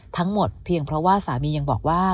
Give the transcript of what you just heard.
ทั้งหมดเพียงเพราะว่าสามียังบอกว่า